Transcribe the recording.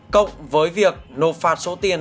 cộng với việc nộp phạt số tiền